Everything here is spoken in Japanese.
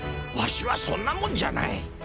ワシはそんなもんじゃない。